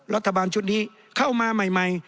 รัฐบาลชุดนี้เข้ามาใหม่